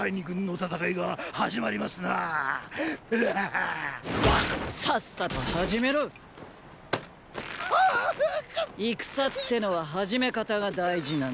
戦ってのは始め方が大事なんだよ。